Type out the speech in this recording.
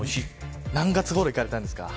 何月ごろいかれたんですか。